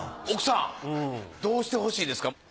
奥さんどうしてほしいですか？